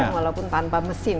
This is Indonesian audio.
walaupun tanpa mesin